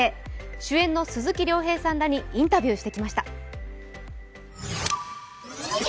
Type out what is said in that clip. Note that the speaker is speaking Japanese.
主演の鈴木亮平さんらにインタビューしてきました。